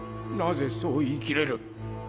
なぜそう言い切れる？